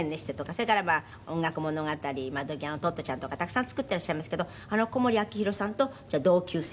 それから音楽物語『窓ぎわのトットちゃん』とかたくさん作ってらっしゃいますけどあの小森昭宏さんと同級生？